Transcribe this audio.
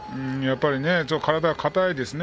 体が硬いですね。